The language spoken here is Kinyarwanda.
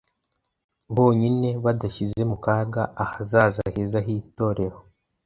bonyine badashyize mu kaga ahazaza heza h’Itorero.